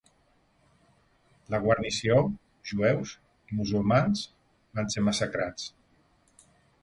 La guarnició, jueus i musulmans, van ser massacrats.